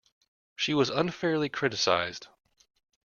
She was unfairly criticised